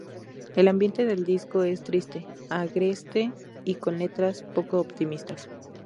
El ambiente del disco es triste, agreste y con letras poco optimistas.